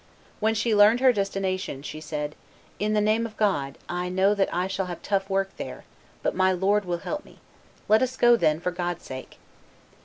When she learned her destination, she said, "In the name of God, I know that I shall have tough work there, but my Lord will help me. Let us go, then, for God's sake."